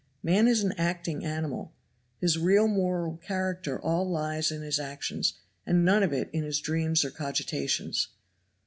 Man is an acting animal. His real moral character all lies in his actions, and none of it in his dreams or cogitations.